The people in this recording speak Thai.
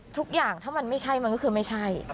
ถ้ามันไม่ใช่มันก็คือไม่ใช่